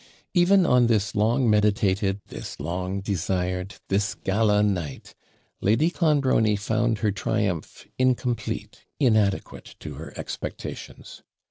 Even on this long meditated, this long desired, this gala night, Lady Clonbrony found her triumph incomplete inadequate to her expectations.